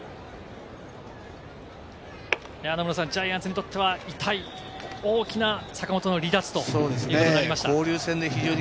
野村さん、ジャイアンツにとっては痛い大きな、坂本の離脱ということになりました。